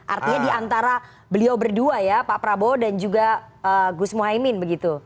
artinya diantara beliau berdua ya pak prabowo dan juga gus muhaymin begitu